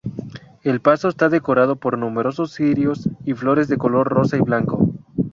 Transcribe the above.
El paso está decorado por numerosos cirios y flores de color rosa y blanco.